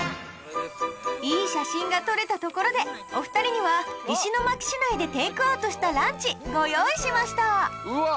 いい写真が撮れたところでお二人には石巻市内でテイクアウトしたランチご用意しましたウワッ！